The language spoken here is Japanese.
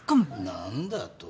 何だと？